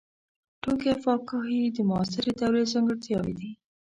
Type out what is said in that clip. ټوکي او فکاهي د معاصرې دورې ځانګړتیاوې دي.